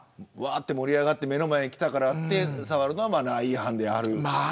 盛り上がって目の前に来たからって触るのはマナー違反である。